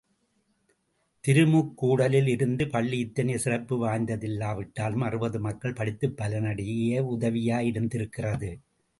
திருமுக்கூடலில் இருந்த பள்ளி இத்தனை சிறப்பு வாய்ந்தல்லாவிட்டாலும் அறுபது மக்கள் படித்துப் பலனடைய உதவியாயிருந்திருக்கிறது.